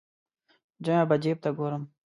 ژمی به جیب ته ګورم.